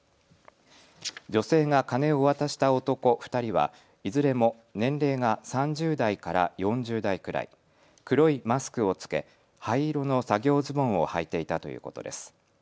女性が金を渡した男２人はいずれも年齢が３０代から４０代くらい、黒いマスクを着け灰色の作業ズボンをはいていたということです。